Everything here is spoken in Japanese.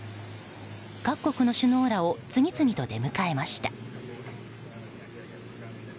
各国の首脳らを次々と出迎えました。